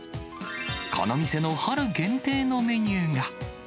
この店の春限定のメニューが。